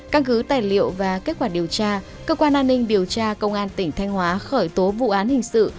căn cứ tài liệu và kết quả điều tra cơ quan an ninh điều tra công an tỉnh thanh hóa khởi tố vụ án hình sự